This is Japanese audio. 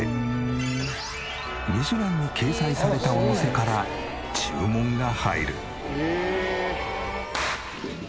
『ミシュラン』に掲載されたお店から注文が入る。